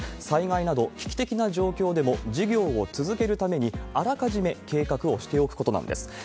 災害など危機的な状況でも、事業を続けるために、あらかじめ計画をしておくことなんです。